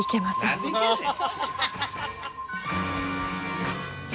何でいけんねん。